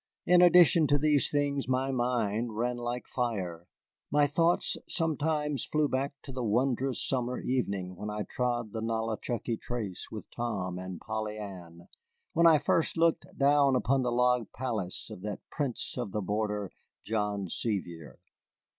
In addition to these things my mind ran like fire. My thoughts sometimes flew back to the wondrous summer evening when I trod the Nollichucky trace with Tom and Polly Ann, when I first looked down upon the log palace of that prince of the border, John Sevier.